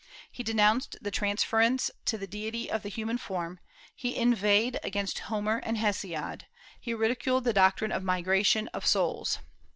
He denounced the transference to the deity of the human form; he inveighed against Homer and Hesiod; he ridiculed the doctrine of migration of souls.